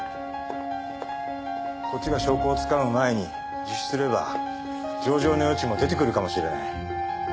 こっちが証拠をつかむ前に自首すれば情状の余地も出てくるかもしれない。